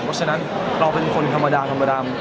เพราะฉะนั้นเราเป็นคนธรรมดาธรรมดา